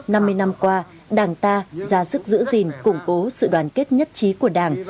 năm mươi năm qua đảng ta ra sức giữ gìn củng cố sự đoàn kết nhất trí của đảng